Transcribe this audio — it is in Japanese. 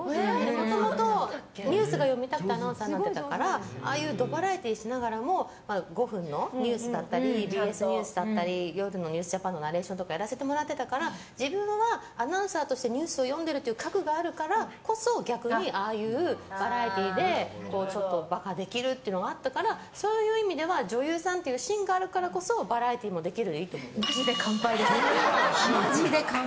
もともとニュースが読みたくてアナウンサーになっていたからバラエティーしながらも５分のニュースだったりＢＳニュースだったり「ニュースＪＡＰＡＮ」のナレーションとかやらせてもらっていたから自分はアナウンサーとしてニュースを読んでいるという核があるからこそぎゃくに、ああいうバラエティーでバカできるのがあったからそういう意味では女優さんという芯があるからこそバラエティーもいける。